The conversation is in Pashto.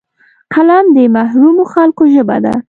قلم د محرومو خلکو ژبه ده